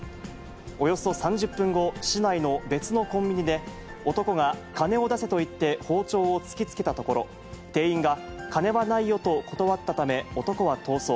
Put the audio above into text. およそ３０分後、市内の別のコンビニで、男が金を出せと言って包丁を突きつけたところ、店員が金はないよと断ったため、男は逃走。